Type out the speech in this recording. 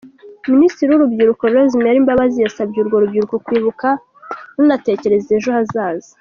Minisitiri w’Urubyiruko, Rosemary Mbabazi, yasabye urwo rubyiruko kwibuka runatekereza ejo hazaza.